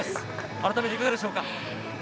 改めて、いかがでしょうか？